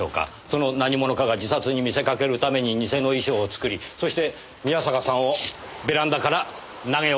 その何者かが自殺に見せかけるために偽の遺書を作りそして宮坂さんをベランダから投げ落とした。